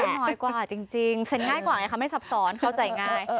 น้อยกว่าจริงเซ็นง่ายกว่าไงคะไม่ซับซ้อนเข้าใจง่าย